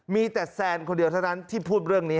มีแต่แซนคนเดียวเท่านั้นที่พูดเรื่องนี้